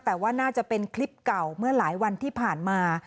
แต่ว่าน่าจะเป็นคลิปเก่าเมื่อหลายวันที่ผ่านมา